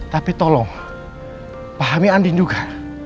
tapi tolong pahami andin juga